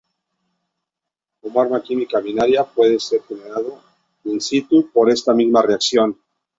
Como arma química binaria, puede ser generado in situ por esta misma reacción.